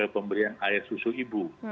pemberian air susu ibu